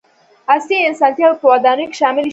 • عصري اسانتیاوې په ودانیو کې شاملې شوې.